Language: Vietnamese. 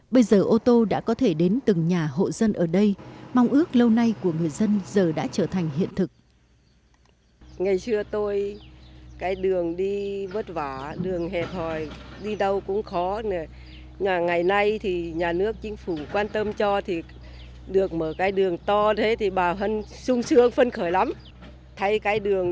bây giờ ô tô đã có thể đến từng nhà hộ dân ở đây mong ước lâu nay của người dân giờ đã trở thành hiện thực